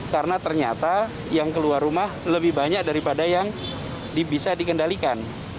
karena ternyata yang keluar rumah lebih banyak daripada yang bisa dikendalikan